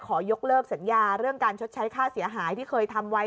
ยกเลิกสัญญาเรื่องการชดใช้ค่าเสียหายที่เคยทำไว้